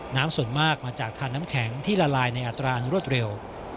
ส่วนมากมาจากทานน้ำแข็งที่ละลายในอัตรารวดเร็ว